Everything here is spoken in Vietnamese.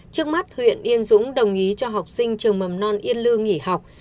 trước mắt huyện yên dũng đồng ý cho học sinh trường mầm non yên lương nghỉ học